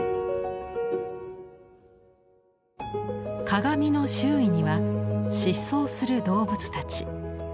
鏡の周囲には疾走する動物たち。